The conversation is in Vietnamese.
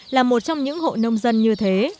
là một trong những hộ nông dân như thế